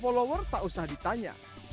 follower tak usah ditanya